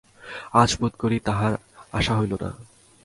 আজ বোধ করি তাঁহার আসা হইল না।